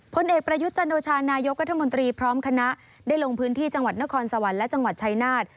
พลเอกประยุทธ์จันโอชานายกรัฐมนตรีพร้อมคณะได้ลงพื้นที่จังหวัดนครสวรรค์และจังหวัดชายนาฏ